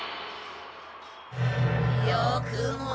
よくも！